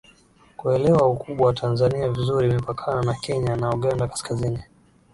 Kuelewa ukubwa wa Tanzania vizuri imepakana na Kenya na Uganda Kaskazini